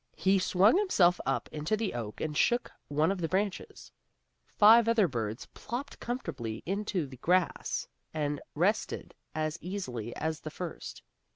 He swung himself up into the oak and shook one of the branches. Five other birds plopped comfortably into the grass and rested as easily as the first.